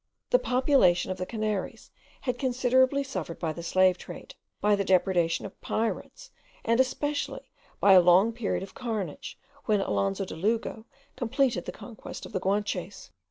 The population of the Canaries had considerably suffered by the slave trade, by the depredations of pirates, and especially by a long period of carnage, when Alonzo de Lugo completed the conquest of the Guanches.